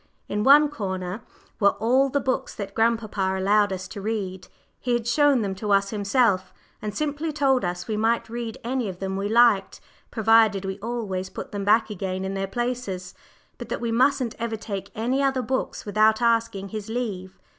In one corner were all the books that grandpapa allowed us to read. He had shown them to us himself, and simply told us we might read any of them we liked, provided we always put them back again in their places, but that we mustn't ever take any other books without asking his leave.